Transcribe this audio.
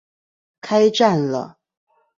開站了